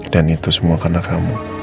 dan itu semua karena kamu